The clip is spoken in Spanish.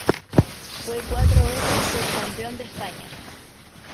Fue cuatro veces subcampeón de España.